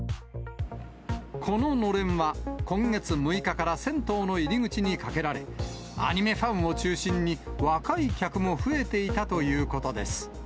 こののれんは、今月６日から銭湯の入り口にかけられ、アニメファンを中心に、若い客も増えていたということです。